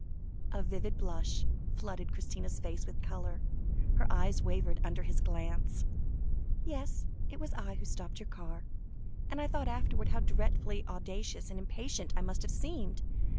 A vivid blush flooded Christina's face with colour, her eyes wavered under his glance. "Yes, it was I who stopped your car, and I thought afterwards how dreadfully audacious and impatient I must have seemed.